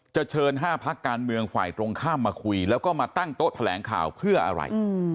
เชิญ๕พักการเมืองฝ่ายตรงข้ามมาคุยแล้วก็มาตั้งโต๊ะแถลงข่าวเพื่ออะไร